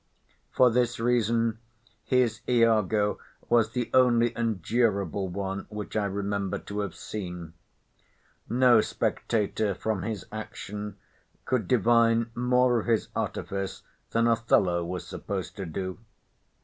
For this reason, his Iago was the only endurable one which I remember to have seen. No spectator from his action could divine more of his artifice than Othello was supposed to do.